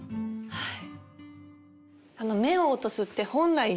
はい！